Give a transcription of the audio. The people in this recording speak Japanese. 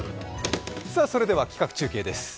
それでは企画中継です。